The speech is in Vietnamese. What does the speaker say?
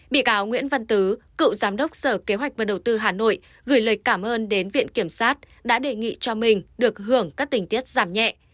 bị cáo nguyễn văn tứ cựu giám đốc sở kế hoạch và đầu tư hà nội gửi lời cảm ơn đến viện kiểm sát đã đề nghị cho mình được hưởng các tình tiết giảm nhẹ